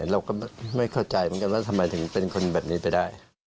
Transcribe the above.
เราก็ไม่เข้าใจว่าทำไมถึงเป็นคนแบบนี้ไปได้